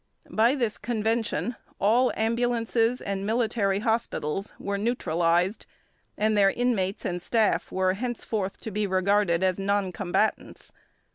By this convention all ambulances and military hospitals were neutralised, and their inmates and staff were henceforth to be regarded as non combatants.